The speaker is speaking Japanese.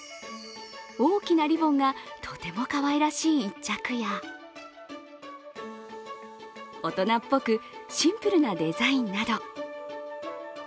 大きなリボンがとてもかわいらしい１着や大人っぽくシンプルなデザインなど。